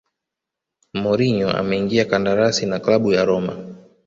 mourinho ameingia kandarasi na klabu ya roma